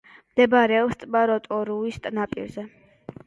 მდებარეობს ტბა როტორუის ნაპირზე.